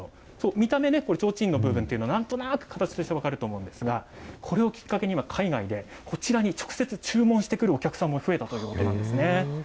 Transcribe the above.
見た目、提灯の部分というの、なんとなく形として分かると思うんですが、これをきっかけに今、海外で、こちらに直接、注文してくるお客さんも増えたということなんですね。